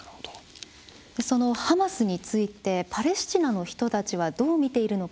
そのハマスについてパレスチナの人たちはどう見ているのか。